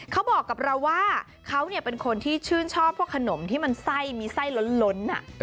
เขาบอกกับเราว่าเขาเป็นคนที่ชื่นชอบพวกขนมที่มันไส้มีไส้ล้น